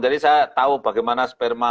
jadi saya tahu bagaimana sperma